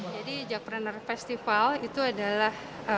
jadi jack pruner festival itu adalah